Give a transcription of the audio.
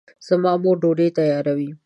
زما مور ډوډۍ تیاروي